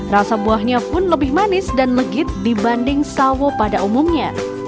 rasa buahnya pun lebih manis dan legit dibanding sawo pada umumnya